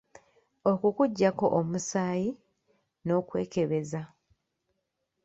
Okukuggyako omusaayi n’okwekebeza.